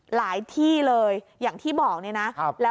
หลายที่เลยอย่างที่บอกเนี่ยนะ